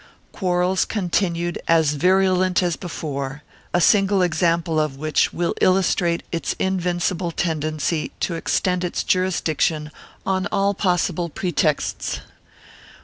Quarrels continued as virulent as before, a single example of which will illustrate its invincible tendency to extend its jurisdiction on all possible pretexts.